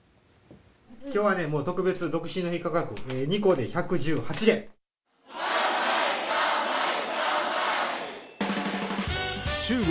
きょうはもう特別に独身の日価格、２個で１１８元。